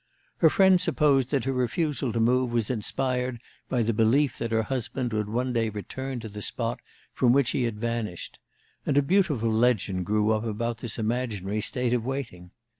Her friends supposed that her refusal to move was inspired by the belief that her husband would one day return to the spot from which he had vanished, and a beautiful legend grew up about this imaginary state of waiting.